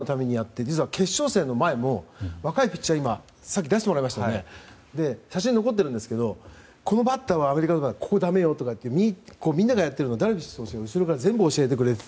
というのは、あまりにもみんなの練習に付き合ってみんなのためにやって実は決勝戦の前も若いピッチャーをさっき出してもらいましたけど写真残ってるんですがこのバッターはアメリカとかここはだめよとかみんながやってるのをダルビッシュ投手が全部教えてくれてて。